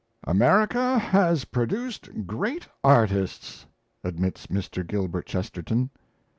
"America has produced great artists," admits Mr. Gilbert Chesterton.